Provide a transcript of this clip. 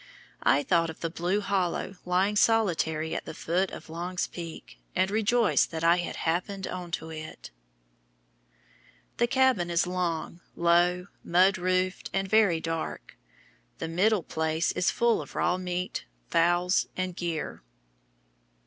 I thought of the blue hollow lying solitary at the foot of Long's Peak, and rejoiced that I had "happened into it." The cabin is long, low, mud roofed, and very dark. The middle place is full of raw meat, fowls, and gear.